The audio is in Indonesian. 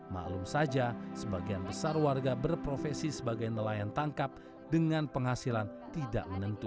maklum saja sebagian besar warga berprofesi sebagai nelayan tangkap dengan penghasilan tidak menentu